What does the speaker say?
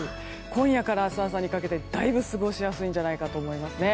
今夜から明日朝にかけて、だいぶ過ごしやすいんじゃないかと思います。